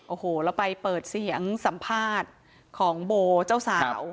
โอ้โหเราไปเปิดเสียงสัมภาษณ์ของโบเจ้าสาว